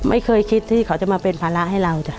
ไม่เคยคิดที่เขาจะมาเป็นภาระให้เราจ้ะ